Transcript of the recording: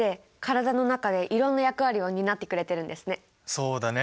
そうだね。